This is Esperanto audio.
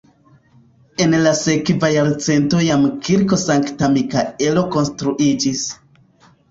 En la sekva jarcento jam kirko Sankta Mikaelo konstruiĝis.